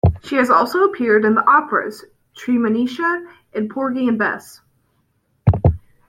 She has also appeared in the operas, "Treemonisha" and "Porgy and Bess".